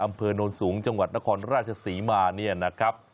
โน้นสูงจังหวัดนครราชศรีมาเนี่ยนะครับ